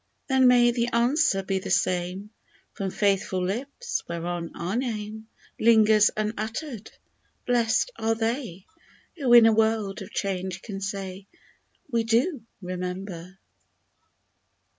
45 Then may the answer be the same, From faithful lips, whereon our name Lingers un uttered ! Blest are they Who in a world of change can say, " We do remember